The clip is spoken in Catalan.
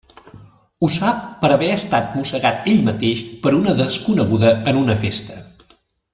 Ho sap per haver estat mossegat ell mateix per una desconeguda en una festa.